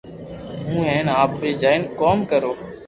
ھون ھين آپري جائين ڪوم ڪرو